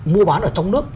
mua bán ở trong nước